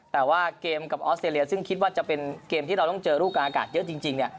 แต่ว่าเกมกับออสเตรเลียซึ่งคิดว่าจะเป็นเกมที่เราต้องเจอลูกกลางอากาศเยอะจริงเนี่ย